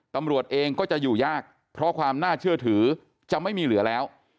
ตำรวจเองก็จะอยู่ยากเพราะความน่าเชื่อถือจะไม่มีเหลือแล้ว